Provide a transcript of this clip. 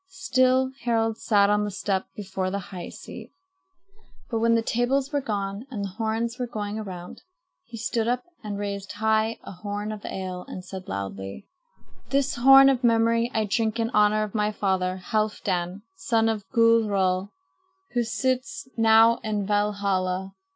Still Harald sat on the step before the high seat. But when the tables were gone and the horns were going around, he stood up and raised high a horn of ale and said loudly: "This horn of memory I drink in honor of my father, Halfdan, son of Gudrod, who sits now in Valhalla.